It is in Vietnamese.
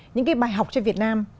những cái bài học cho việt nam